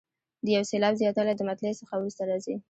د یو سېلاب زیاتوالی د مطلع څخه وروسته راځي.